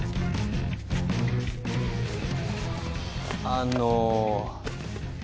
あの。